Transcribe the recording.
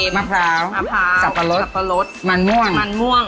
มะพร้าวสับปะรดมันม่วง